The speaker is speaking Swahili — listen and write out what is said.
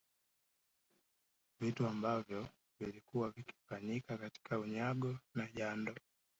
Vitu ambavyo vilikuwa vikifanyika katika unyago na jando